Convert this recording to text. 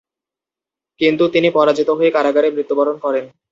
কিন্তু তিনি পরাজিত হয়ে কারাগারে মৃত্যুবরণ করেন।